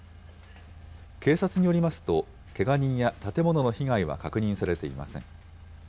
警察によりますと、けが人や建物の被害は確認されていません。